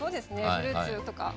フルーツとか。